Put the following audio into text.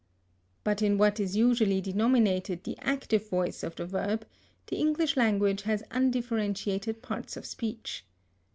But in what is usually denominated the active voice of the verb, the English language has undifferentiated parts of speech.